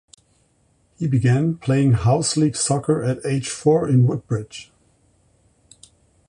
He began playing house league soccer at age four in Woodbridge.